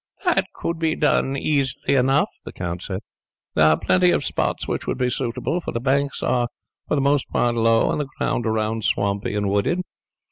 "That could be done easily enough," the count said; "there are plenty of spots which would be suitable, for the banks are for the most part low and the ground around swampy and wooded.